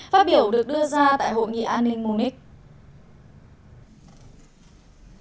phát biểu được đưa ra tại hội nghị an ninh munich